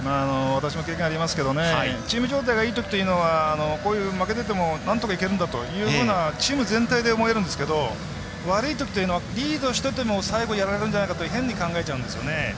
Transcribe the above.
私も経験ありますけどチーム状態がいいときというのは負けててもなんとかいけるんだというチーム全体で思えるんですけど悪いときというのはリードしてても最後やられるんじゃないかって変に考えちゃうんですよね。